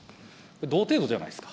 同程度じゃないですか。